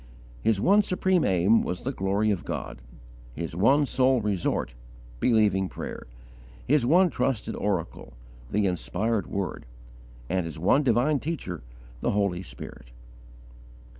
His one supreme aim was the glory of God; his one sole resort, believing prayer; his one trusted oracle, the inspired Word; and his one divine Teacher, the Holy Spirit.